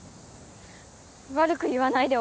悪く言わないで。